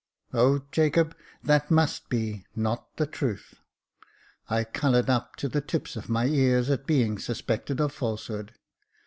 " O, Jacob, that must be — not the truth." I coloured up to the tips of my ears, at being suspected of falsehood.